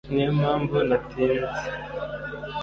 Niyo mpamvu natinze